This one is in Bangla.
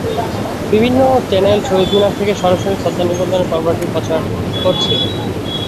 বিভিন্ন চ্যানেল শহীদ মিনার থেকে সরাসরি শ্রদ্ধা নিবেদনের পর্বটি প্রচার করছিল।